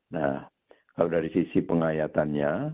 nah kalau dari sisi pengayatannya